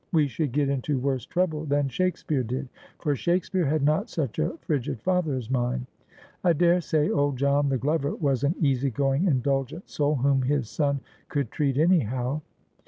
We should get into worse trouble than Shakespeare did, for Shakespeare had not such a frigid father as mine. I daresay old John, the glover, was an easy going indulgent soul whom his son could treat anyhow.'